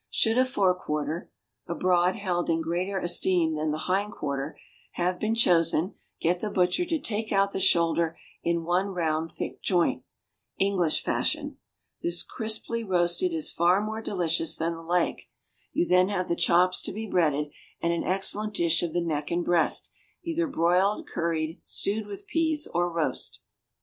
Should a forequarter (abroad held in greater esteem than the hindquarter) have been chosen, get the butcher to take out the shoulder in one round thick joint, English fashion; this crisply roasted is far more delicious than the leg; you then have the chops to be breaded, and an excellent dish of the neck and breast, either broiled, curried, stewed with peas, or roast.